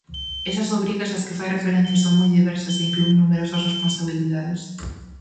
Esas obrigas as que fai referencia son moi diversas e inclúen numerosas responsabilidades.